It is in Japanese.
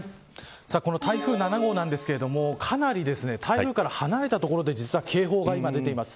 この台風７号なんですがかなり台風から離れた所で警報が出ています。